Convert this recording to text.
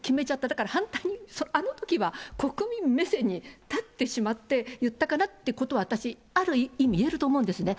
だから反対、あのときは国民目線に立ってしまって、言ったかなっていうことは、私ある意味言えると思うんですね。